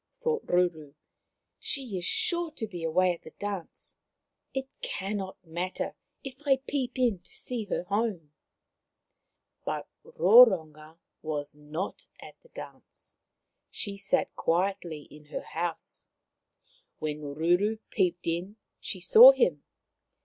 thought Ruru. " She is sure to be away at the dance. It cannot matter if I peep in to see her home." But Roronga was not at the dance. She sat quietly in her house. When Ruru peeped in she saw him.